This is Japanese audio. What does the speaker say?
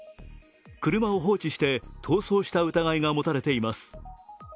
車を放置して逃走した疑いが持たれています。